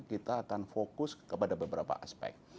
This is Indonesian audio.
kita akan fokus kepada beberapa aspek